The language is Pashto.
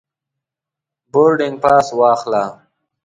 بوردینګ پاس واخله.